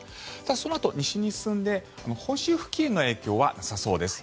そのあと西に進んで本州付近の影響はなさそうです。